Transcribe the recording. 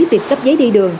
việc cấp giấy đi đường